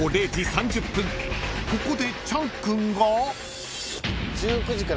［ここでチャン君が］